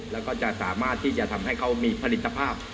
แล้วก็จะสามารถที่จะทำให้เขามีผลิตภาพ